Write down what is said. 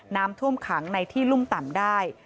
น้ำท่วมขังในที่รุ่มต่ำได้